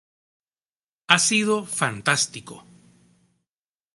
Ha sido fantástico.